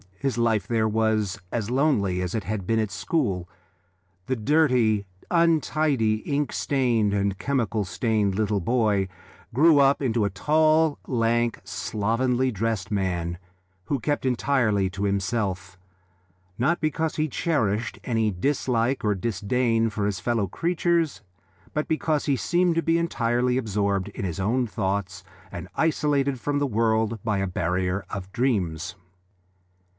His life there was as lonely as it had been at school. The dirty, untidy, ink stained, and chemical stained little boy grew up into a tall, lank, slovenly dressed man, who kept entirely to himself, not because he cherished any dislike or disdain for his fellow creatures, but because he seemed to be entirely absorbed in his own thoughts and isolated from the world by a barrier of dreams.